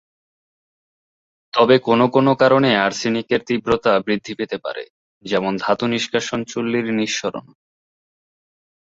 তবে কোনো কোনো কারণে আর্সেনিকের তীব্রতা বৃদ্ধি পেতে পারে, যেমন ধাতু নিষ্কাশন চুল্লীর নিঃসরণ।